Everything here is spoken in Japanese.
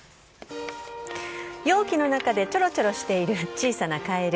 容器の中でちょろちょろしている小さなカエル。